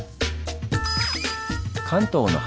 「関東の華」